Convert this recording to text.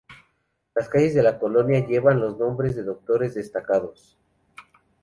Las calles de la colonia llevan los nombres de doctores destacados.